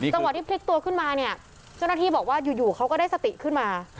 จังหวะที่พลิกตัวขึ้นมาเนี่ยเจ้าหน้าที่บอกว่าอยู่เขาก็ได้สติขึ้นมา